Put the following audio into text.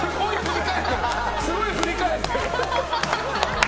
すごい振り返ってる。